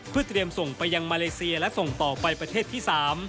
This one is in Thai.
เพื่อเตรียมส่งไปยังมาเลเซียและส่งต่อไปประเทศที่๓